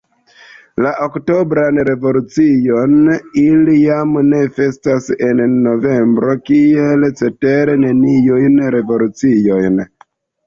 La oktobran revolucion ili jam ne festas en novembro, kiel cetere neniujn revoluciojn.